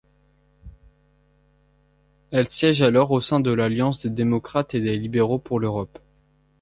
Elle siège alors au sein de l'Alliance des démocrates et des libéraux pour l'Europe.